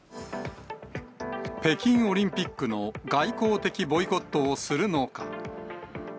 北京オリンピックの外交的ボイコットをするのか。